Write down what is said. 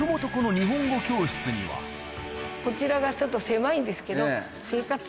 こちらがちょっと狭いんです